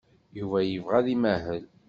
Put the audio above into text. Yuba yebɣa ad imahel.